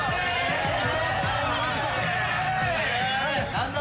何だ？